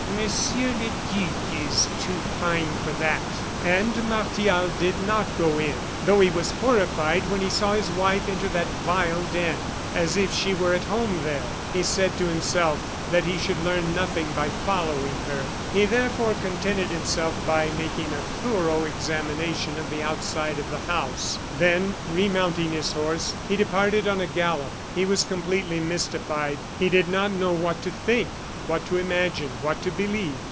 "Monsieur le Duc is too fine for that." And Martial did not go in. Though he was horrified when he saw his wife enter that vile den, as if she were at home there, he said to himself that he should learn nothing by following her. He, therefore, contented himself by making a thorough examination of the outside of the house; then, remounting his horse, he departed on a gallop. He was completely mystified; he did not know what to think, what to imagine, what to believe.